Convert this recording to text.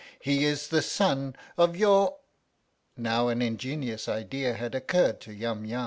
He is the son of your Now an ingenious idea had occurred to Yum Yum.